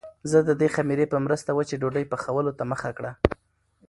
زه د دې خمیرې په مرسته وچې ډوډۍ پخولو ته مخه کړه.